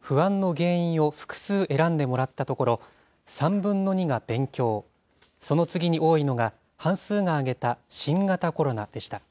不安の原因を複数選んでもらったところ、３分の２が勉強、その次に多いのが、半数が挙げた新型コロナでした。